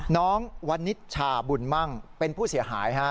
วันนิชชาบุญมั่งเป็นผู้เสียหายฮะ